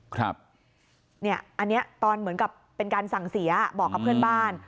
อันนี้ตอนเหมือนกับเป็นการสั่งเสียบอกกับเพื่อนบ้าน